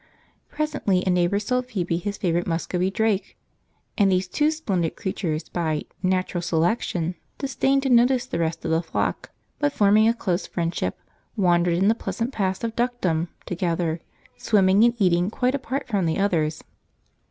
Presently a neighbour sold Phoebe his favourite Muscovy drake, and these two splendid creatures by "natural selection" disdained to notice the rest of the flock, but forming a close friendship, wandered in the pleasant paths of duckdom together, swimming and eating quite apart from the others.